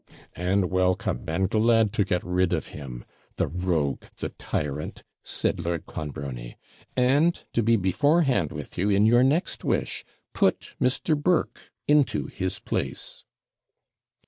'And welcome, and glad to get rid of him the rogue, the tyrant,' said Lord Clonbrony; 'and, to be beforehand with you in your next wish, put Mr. Burke into his place.'